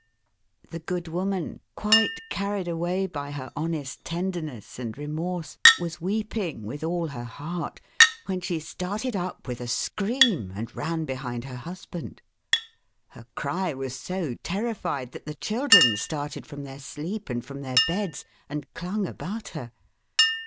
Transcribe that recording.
" The good woman, quite carried away by her honest tenderness and remorse, was weeping with all her heart, when she started up with a scream, and ran behind her husband. Her cry was so terrified, that the children started from their sleep and from their beds, and clung about her.